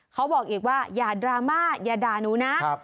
เขาบอกอีกว่าอย่าดราม่าอย่าด่าหนูนะ